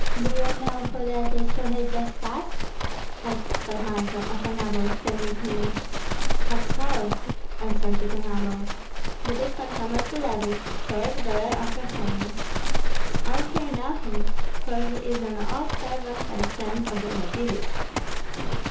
'" "Do you know who that is who has just passed?" asked Pan Michael of a noble standing near. "Of course," answered the noble; "that is Pan Tomash Billevich, sword bearer of Rossyeni. All here know him, for he is an old servant and friend of the Radzivills."